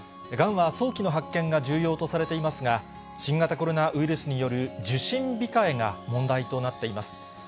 がんは早期の発見が重要とされていますが、新型コロナウイルスによる受診控えが問題となっています。